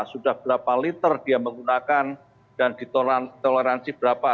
sudah berapa liter dia menggunakan dan ditoleransi berapa